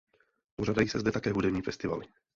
Pořádají se zde také hudební festivaly.